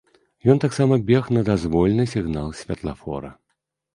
Ён таксама бег на дазвольны сігнал святлафора.